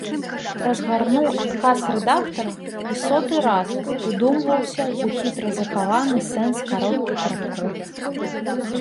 Разгарнуў адказ рэдактара і соты раз удумваўся ў хітра захаваны сэнс кароткіх радкоў.